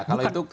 bukan tidak ada